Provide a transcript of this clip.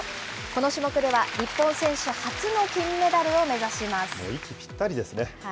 この種目では、日本選手初の金メ息ぴったりですね。